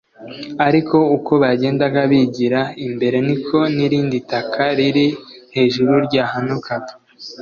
ariko uko bagendaga bigira imbere niko n’irindi taka riri hejuru ryahanukaga